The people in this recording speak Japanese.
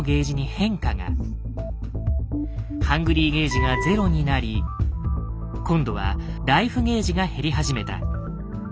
「ＨＵＮＧＲＹ」ゲージがゼロになり今度は「ＬＩＦＥ」ゲージが減り始めた。